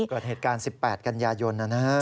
ก่อนเหตุการณ์๑๘กันยายนนะครับ